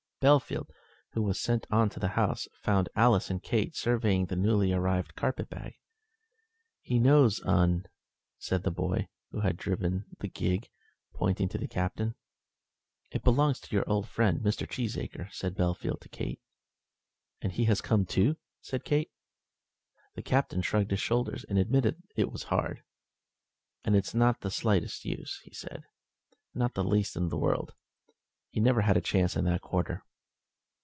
Bellfield, who was sent on to the house, found Alice and Kate surveying the newly arrived carpet bag. "He knows 'un," said the boy who had driven the gig, pointing to the Captain. "It belongs to your old friend, Mr. Cheesacre," said Bellfield to Kate. "And has he come too?" said Kate. The Captain shrugged his shoulders, and admitted that it was hard. "And it's not the slightest use," said he, "not the least in the world. He never had a chance in that quarter."